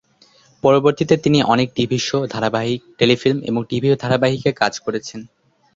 পরবর্তীতে তিনি অনেক টিভি শো, ধারাবাহিক, টেলিফিল্ম এবং টিভি ধারাবাহিকে কাজ করেছেন।